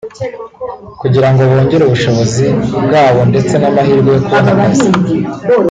kugira ngo bongere ubushobozi bwabo ndetse n’amahirwe yo kubona akazi